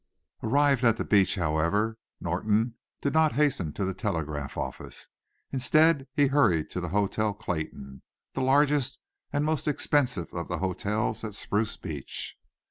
Arrived at the beach, however, "Norton" did not hasten to the telegraph office. Instead, he hurried to the Hotel Clayton, the largest and most expensive of the hotels at Spruce Beach.